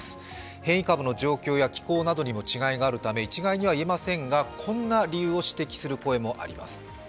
変異株の状況や気候などにも違いがあるため一概には言えませんが、こんな理由を指摘する声が聞かれます。